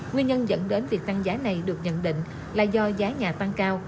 nguyên nhân dẫn đến việc tăng giá này được nhận định là do giá nhà tăng cao